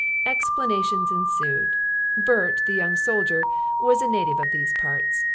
Explanations ensued. Bert, the young soldier, was a native of these parts.